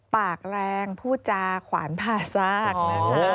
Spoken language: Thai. ปากแรงผู้จาขวานผ่าซาก